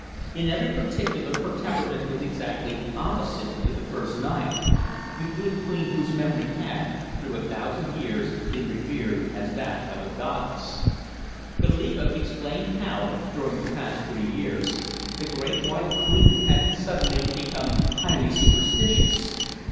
In every particular her temperament was exactly opposite to the first Naya, the good queen whose memory had, through a thousand years, been revered as that of a goddess. Goliba explained how, during the past three years, the Great White Queen had suddenly become highly superstitious.